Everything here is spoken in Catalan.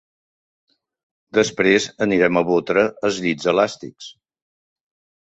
Després anirem a botre als llits elàstics.